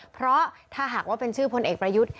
เพราะถ้าหากว่าเป็นชื่อพลเอกประยุทธ์